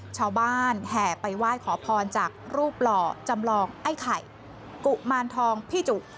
แห่ไปไหว้ขอพรจากรูปหล่อจำลองไอ้ไข่กุมารทองพี่จุ